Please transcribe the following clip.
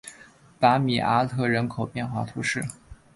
达米阿特人口变化图示